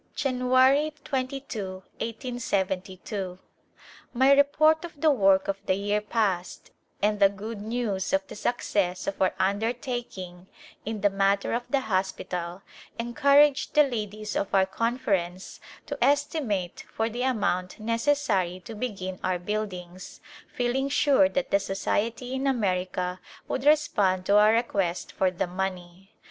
January 22^ l8y2. My report of the work of the year past and the good news of the success of our undertaking in the matter of the hospital encouraged the ladies of our Conference to estimate for the amount necessary to begin our buildings, feeling sure that the Society in America would respond to our request for the money.